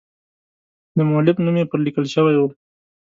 د مؤلف نوم یې پر لیکل شوی و.